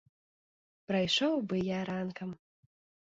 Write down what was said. Прайшоў бы я ранкам.